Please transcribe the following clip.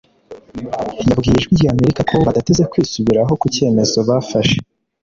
yabwiye Ijwi rya Amerika ko badateze kwisubiraho ku cyemezo bafashe